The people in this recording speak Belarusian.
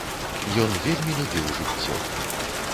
Ён вельмі любіў жыццё.